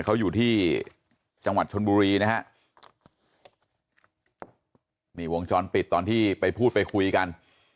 เขาอยู่ที่จังหวัดชนบุรีนะฮะนี่วงจรปิดตอนที่ไปพูดไปคุยกัน